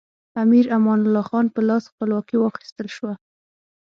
امیر امان الله خان په لاس خپلواکي واخیستل شوه.